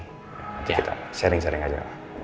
nanti kita sharing sharing aja